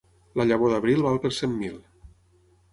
La llavor d'abril val per cent mil.